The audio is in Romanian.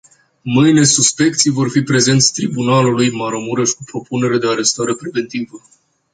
Mâine suspecții vor fi prezentați tribunalului Maramureș cu propunere de arestare preventivă.